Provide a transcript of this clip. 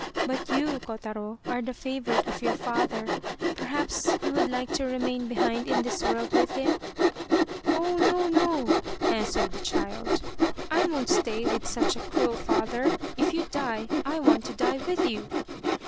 But you, Kotaro, are the favourite of your father perhaps you would like to remain behind in this world with him ?"" Oh, no, no, " answered the child, " I won't stay 189 Loyal, Even Unto Death with such a cruel father. If you die, I want to die with you